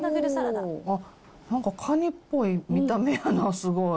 なんかカニっぽい見た目やな、すごい。